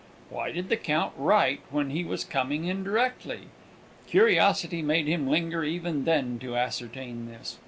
Why did the Count write, when he was coming in directly? Curiosity made him linger even then to ascertain this.